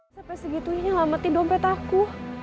sampai segitunya ngamatin dompet aku